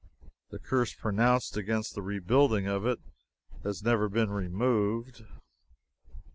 The curse pronounced against the rebuilding of it, has never been removed.